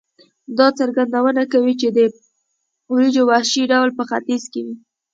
دا څرګندونه کوي چې د وریجو وحشي ډول په ختیځ کې وې.